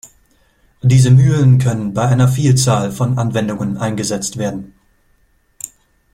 Diese Mühlen können bei einer Vielzahl von Anwendungen eingesetzt werden.